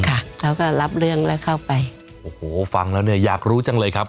ค่ะเขาก็รับเรื่องแล้วเข้าไปโอ้โหฟังแล้วเนี่ยอยากรู้จังเลยครับ